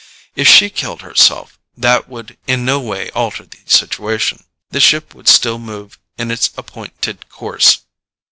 If she killed herself, that would in no way alter the situation. The ship would still move in its appointed course.